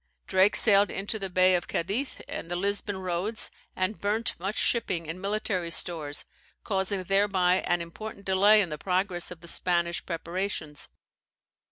Drake sailed into the Bay of Cadiz and the Lisbon Roads, and burnt much shipping and military stores, causing thereby an important delay in the progress of the Spanish preparations.